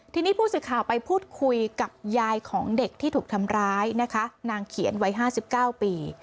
ทีนี้ผู้สื่อข่าวไปพูดคุยกับยายของเด็กที่ถูกทำร้ายนะคะนางเขียนวัย๕๙ปี